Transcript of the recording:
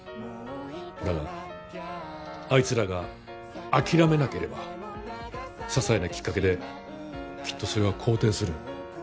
だがあいつらが諦めなければ些細なきっかけできっとそれは好転する。